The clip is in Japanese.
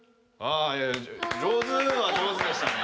上手は上手でしたね。